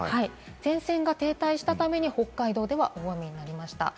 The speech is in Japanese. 前線が停滞したために北海道では大雨になりました。